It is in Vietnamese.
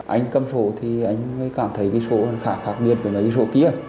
anh cầm sổ thì anh mới cảm thấy cái sổ khá khác biệt với cái sổ kia